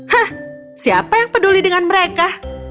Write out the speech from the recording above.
hah siapa yang peduli dengan mereka